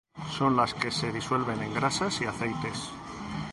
Son las que se disuelven en grasas y aceites.